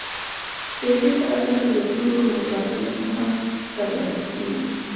پیسې په اصل کې د توکو له مبادلې څخه ترلاسه کېږي